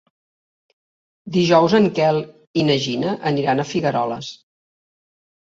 Dijous en Quel i na Gina aniran a Figueroles.